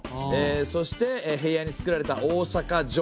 そして平野につくられた大坂城。